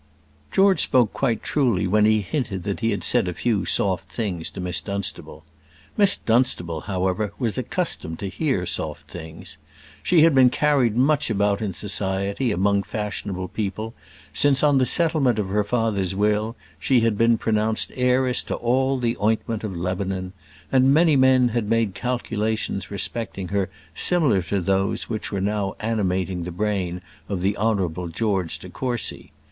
George spoke quite truly when he hinted that he had said a few soft things to Miss Dunstable. Miss Dunstable, however, was accustomed to hear soft things. She had been carried much about in society among fashionable people since, on the settlement of her father's will, she had been pronounced heiress to all the ointment of Lebanon; and many men had made calculations respecting her similar to those which were now animating the brain of the Honourable George de Courcy.